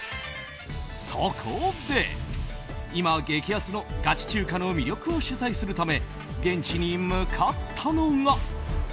そこで今、激アツのガチ中華の魅力を取材するため現地に向かったのが。